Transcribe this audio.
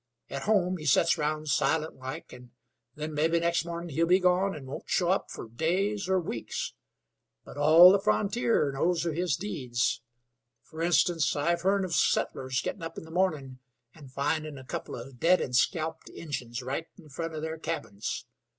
At home he sets round silent like, an' then mebbe next mornin' he'll be gone, an' won't show up fer days or weeks. But all the frontier knows of his deeds. Fer instance, I've hearn of settlers gettin' up in the mornin' an' findin' a couple of dead and scalped Injuns right in front of their cabins.